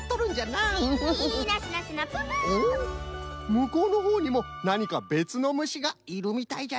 むこうのほうにもなにかべつのむしがいるみたいじゃぞ。